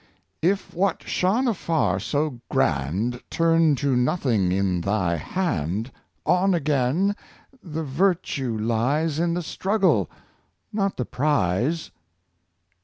If what shone afar so grand, Turn to nothing in thy hand. On again ; the virtue lies In the struggle, not the prize.''